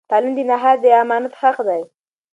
تعلیم د نهار د امانت حق دی.